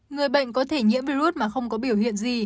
người bệnh có thể nhiễm virus mà không có biểu hiện gì